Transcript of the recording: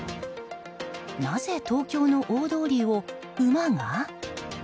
なぜ東京の大通りを馬が？